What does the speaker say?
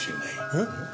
えっ？